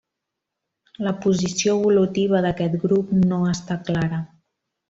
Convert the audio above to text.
La posició evolutiva d'aquest grup no està clara.